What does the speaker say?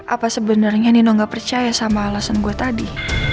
apa sebenarnya nino gak percaya sama alasan gue tadi